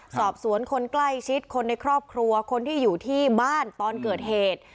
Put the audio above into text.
สอบสวนคนใกล้ชิดคนในครอบครัวคนที่อยู่ที่บ้านตอนเกิดเหตุ